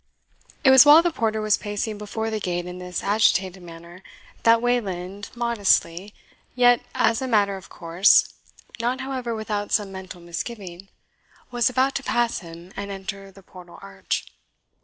It was while the porter was pacing before the gate in this agitated manner, that Wayland, modestly, yet as a matter of course (not, however, without some mental misgiving), was about to pass him, and enter the portal arch.